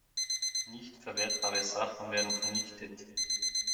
Nicht verwertbare Sachen werden vernichtet.